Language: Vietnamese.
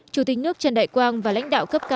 chủ tịch nước trần đại quang và lãnh đạo cấp cao